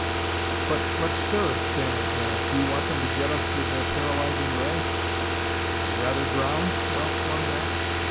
"But but, sir!" stammered Graham. "Do you want them to get us with their paralyzing ray?" "You'd rather drown?" Wells flung back.